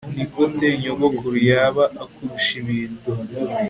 Nigute nyogokuru yaba akurusha ibintu